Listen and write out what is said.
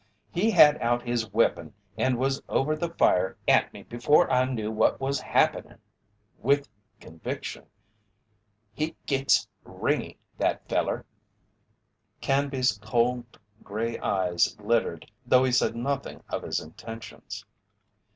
He had out his weepon and was over the fire at me before I knew what was happenin'," with conviction. "He gets 'ringy' that feller." Canby's cold gray eyes glittered, though he said nothing of his intentions.